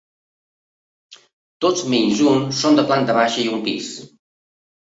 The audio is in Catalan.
Tots menys un són de planta baixa i un pis.